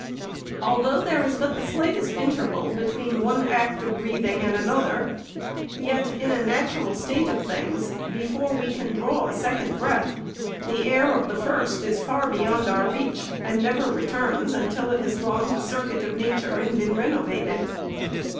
Although there is but the slightest interval between one act of breathing and another, yet, in a natural state of things, before we can draw a second breath, the air of the first is far beyond our reach, and never returns, until it has gone the circuit of nature and been reno vated.